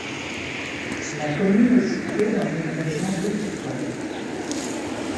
La commune est située dans une région viticole.